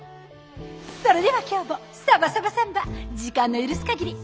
それでは今日も「サバサバサンバ」時間の許す限りご覧下さい！